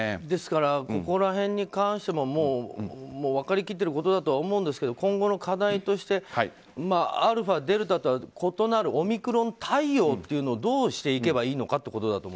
ですからここら辺に関してももう分かりきってることだとは思うんですけど今後の課題としてアルファ、デルタとは異なるオミクロン対応というのをどうしていけばいいのか。